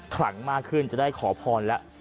ขลังมากขึ้นจะได้ขอพรแล้ว